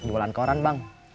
jualan koran bang